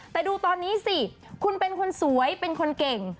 แต่ดูตอนนี้สิคุณเป็นคนสวยเป็นคนเก่ง